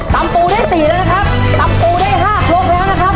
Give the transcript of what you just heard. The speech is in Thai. ตัมปูได้สี่แล้วนะครับตัมปูได้ห้าโคลคเดียวนะครับ